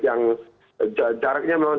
yang jaraknya memang